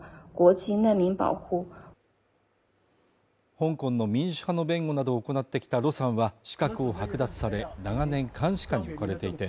香港の民主派の弁護などを行ってきた盧さんは資格を剥奪され長年、監視下に置かれていて